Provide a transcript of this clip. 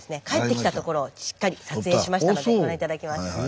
帰ってきたところをしっかり撮影しましたのでご覧頂きます。